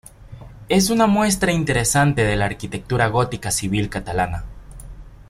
Es una muestra interesante de la arquitectura gótica civil catalana.